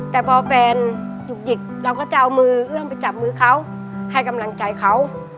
แต่พอแฟนหยุกหยิกเราก็จะเอามือเอื้อมไปจับมือเขาให้กำลังใจเขา